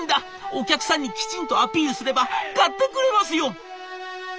お客さんにきちんとアピールすれば買ってくれますよ！